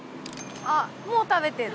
あっもう食べてる。